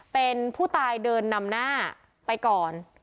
เป็นผู้ตายเดินนำหน้าไปก่อน